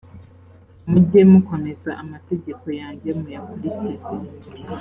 mujye mukomeza amategeko yanjye muyakurikize